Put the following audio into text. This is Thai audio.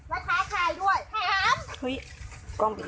เอาเงินไปเยอะเอาเงินไปเยอะแล้วปองกูหรอ